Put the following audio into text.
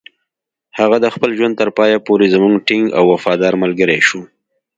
هغه د خپل ژوند تر پایه پورې زموږ ټینګ او وفادار ملګری شو.